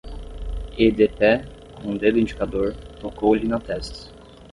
E de pé, com o dedo indicador, tocou-lhe na testa.